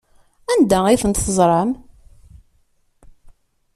Anda ay tent-teẓram?